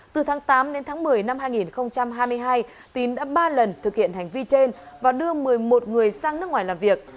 từ tháng tám đến tháng một mươi năm hai nghìn hai mươi hai tín đã ba lần thực hiện hành vi trên và đưa một mươi một người sang nước ngoài làm việc